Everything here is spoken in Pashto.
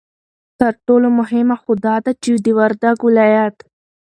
ترټولو مهمه خو دا ده چې د وردگ ولايت